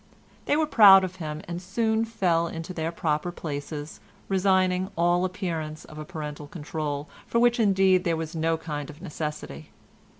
They were proud of him, and soon fell into their proper places, resigning all appearance of a parental control, for which indeed there was no kind of necessity.